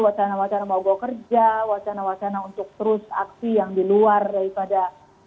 wacana wacana bawa bawa kerja wacana wacana untuk terus aksi yang di luar daripada